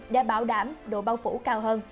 để bảo đảm độ bao phủ cao hơn